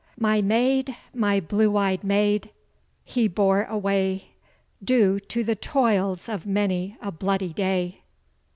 My maid my blue eyed maid, he bore away, Due to the toils of many a bloody day.